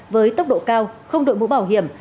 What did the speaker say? với tốc độ cao không đội mũ bảo hiểm